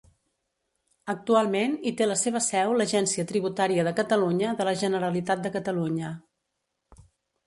Actualment hi té la seva seu l'Agència Tributària de Catalunya de la Generalitat de Catalunya.